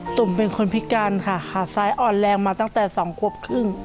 ุ่มเป็นคนพิการค่ะขาซ้ายอ่อนแรงมาตั้งแต่๒ควบครึ่ง